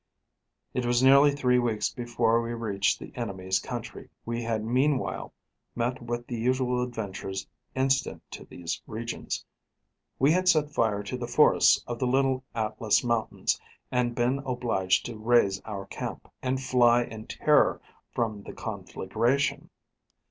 It was nearly three weeks before we reached the enemy's country. We had meanwhile met with the usual adventures incident to these regions. We had set fire to the forests of the Little Atlas Mountains, and been obliged to raise our camp, and fly in terror from the conflagration.